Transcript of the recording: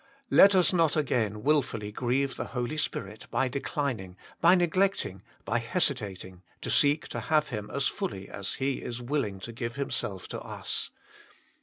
Let us not again wilfully grieve the Holy Spirit by 122 THE MINISTRY OF INTERCESSION declining, by neglecting, by hesitating to seek to have Him as fully as He is willing to give Himself to us.